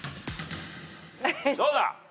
どうだ？